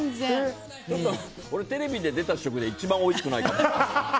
これ、テレビで出た試食で一番おいしくないかも。